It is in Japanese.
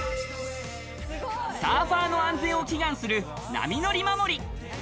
サーファーの安全を祈願する波乗守。